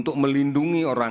pada dua dua seseorang